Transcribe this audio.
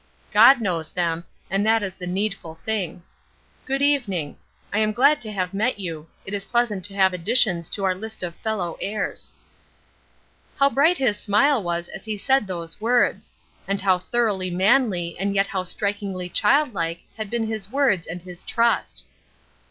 God knows them, and that is the needful thing. Good evening. I am glad to have met you. It is pleasant to have additions to our list of fellow heirs." How bright his smile was as he said those words! And how thoroughly manly and yet how strikingly childlike had been his words and his trust!